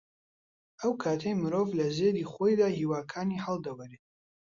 ئەو کاتەی مرۆڤ لە زێدی خۆیدا هیواکانی هەڵدەوەرێن